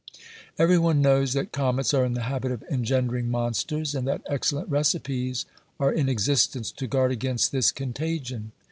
Every one knows that comets are in the habit of engendering monsters, and that excellent recipes are in existence to guard against this contagion.